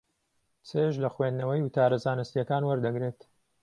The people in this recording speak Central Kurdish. چێژ لە خوێندنەوەی وتارە زانستییەکان وەردەگرێت.